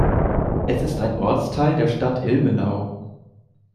Es ist ein Ortsteil der Stadt Ilmenau.